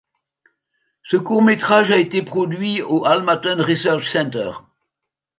Ce court-métrage a été produit au Almaden Research Center.